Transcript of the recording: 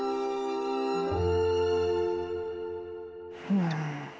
うん。